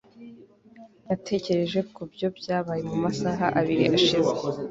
natekereje kubyo byabaye mu masaha abiri ashize